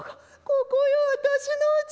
ここよ私のうち。